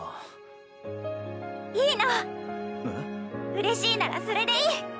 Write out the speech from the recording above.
うれしいならそれでいい！